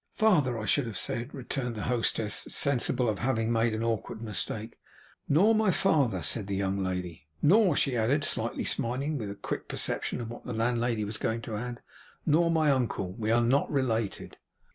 'Father, I should have said,' returned the hostess, sensible of having made an awkward mistake. 'Nor my father' said the young lady. 'Nor,' she added, slightly smiling with a quick perception of what the landlady was going to add, 'Nor my uncle. We are not related.